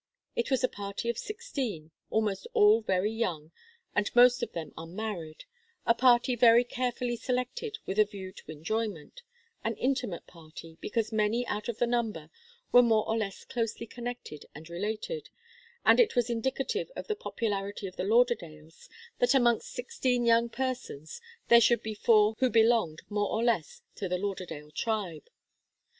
It was a party of sixteen, almost all very young, and most of them unmarried a party very carefully selected with a view to enjoyment an intimate party, because many out of the number were more or less closely connected and related, and it was indicative of the popularity of the Lauderdales, that amongst sixteen young persons there should be four who belonged more or less to the Lauderdale tribe.